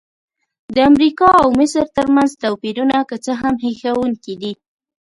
د امریکا او مصر ترمنځ توپیرونه که څه هم هیښوونکي دي.